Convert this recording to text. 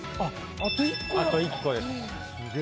あと１個です。